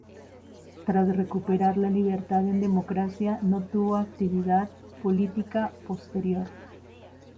Tras recuperar la libertad en democracia no tuvo actividad política posterior.